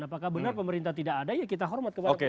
apakah benar pemerintah tidak ada ya kita hormat kepada pemerintah